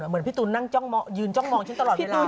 เหมือนพี่ตูนนั่งจ้องมองยืนจ้องมองชิ้นตลอดเวลาเลย